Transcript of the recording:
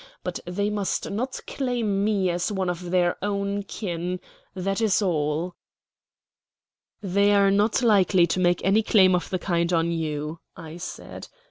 But they must not claim me as one of their own kin. That is all." "They are not likely to make any claim of the kind on you," I said.